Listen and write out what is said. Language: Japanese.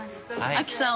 アキさん